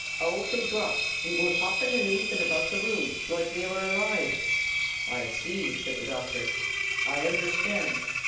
"Out they dhrops, an' goes hoppin' an' leppin' about the room, loike they were aloive." "I see!" said the doctor. "I understand.